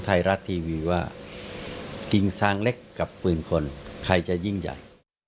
ไทยรัฐทีวีว่ากิ่งซางเล็กกับปืนคนใครจะยิ่งใหญ่